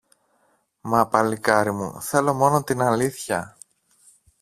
Μα, παλικάρι μου, θέλω μόνο την αλήθεια